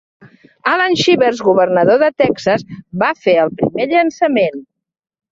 Allan Shivers, governador de Texas, va fer el primer llançament.